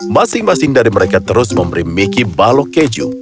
masing masing dari mereka terus memberi mickey balok keju